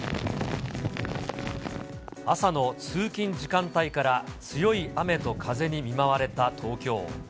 朝の通勤時間帯から強い雨と風に見舞われた東京。